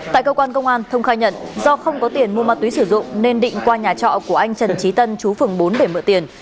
tại cơ quan công an thông khai nhận do không có tiền mua ma túy sử dụng nên định qua nhà trọ của anh trần trí tân chú phường bốn để mượn tiền